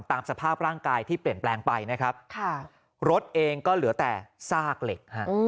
ตามสภาพร่างกายที่เปลี่ยนแปลงไปนะครับรถเองก็เหลือแต่ซากเหล็ก